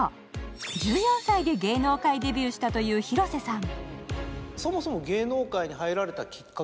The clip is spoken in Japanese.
１４歳で芸能界デビューしたという広瀬さん。